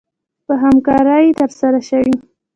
په همکارۍ ترسره شوې